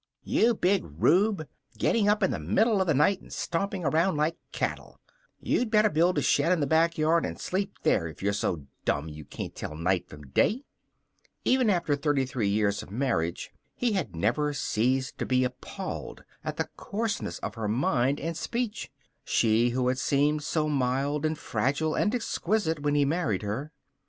"You big rube! Getting up in the middle of the night and stomping around like cattle. You'd better build a shed in the back yard and sleep there if you're so dumb you can't tell night from day." Even after thirty three years of marriage he had never ceased to be appalled at the coarseness of her mind and speech she who had seemed so mild and fragile and exquisite when he married her.